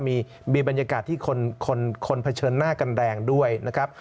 มีบรรยากาศที่คนเผชิญหน้ากันแรงด้วยนะครับ